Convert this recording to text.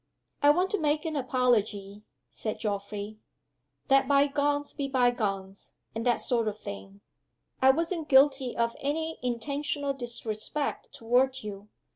"I want to make an apology," said Geoffrey. "Let by gones be by gones and that sort of thing. I wasn't guilty of any intentional disrespect toward you.